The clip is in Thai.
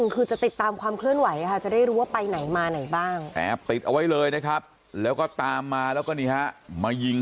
คือจะติดตามความเคลื่อนไหวค่ะจะได้รู้ว่าไปไหนมาไหนบ้าง